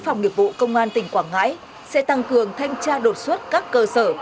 phòng nghiệp vụ công an tỉnh quảng ngãi sẽ tăng cường thanh tra đột xuất các cơ sở